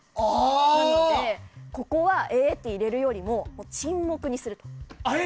なのでここはえーって入れるよりも沈黙にする。